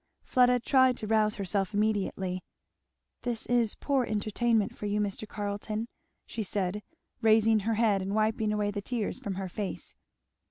Fleda tried to rouse herself immediately. "This is poor entertainment for you, Mr. Carleton," she said, raising her head and wiping away the tears from her face.